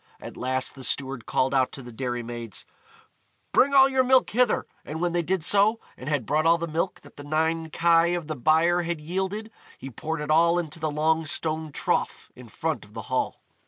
At last the steward called out to the dairy maids, "Bring all your milk hither," and when they did so, and had brought all the milk that the nine kye of the byre had yielded, he poured it all into the long stone trough in front of the Hall.